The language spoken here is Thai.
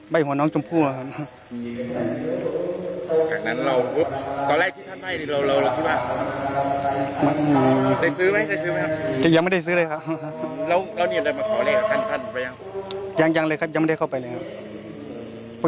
ผมยึดเยิ่นยาจเข้าไปแล้วครับ